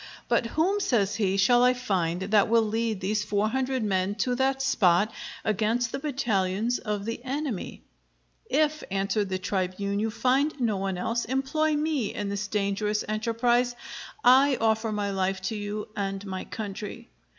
"But whom," says he, "shall I find, that will lead these four hundred men to that spot against the battalions of the enemy?" "If," answered the tribune, "you find no one else, employ me in this dangerous enterprise; I offer my life to you and my country."